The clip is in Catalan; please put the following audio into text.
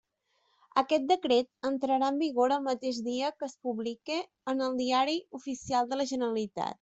Aquest decret entrarà en vigor el mateix dia que es publique en el Diari Oficial de la Generalitat.